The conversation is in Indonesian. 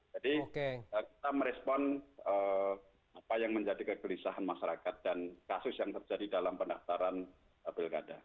jadi kita merespon apa yang menjadi kegelisahan masyarakat dan kasus yang terjadi dalam pendaftaran bilkada